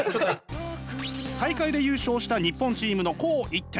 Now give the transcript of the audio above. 大会で優勝した日本チームの紅一点。